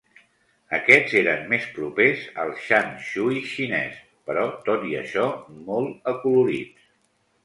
Aquests eren més propers al shan shui xinès, però tot i això molt acolorits.